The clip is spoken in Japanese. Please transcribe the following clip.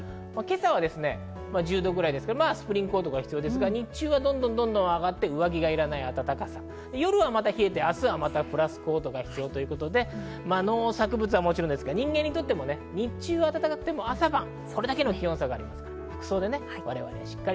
今朝は１０度くらいですからスプリングコートが必要ですが日中はどんどんと上がって上着がいらない暖かさ、夜はまた冷えて、明日はまたプラスコートは必要ということで農作物はもちろん人間にとっても日中は暖かくても朝晩の気温差があります。